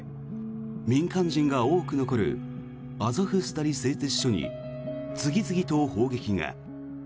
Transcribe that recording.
民間人が多く残るアゾフスタリ製鉄所に次々と砲撃が。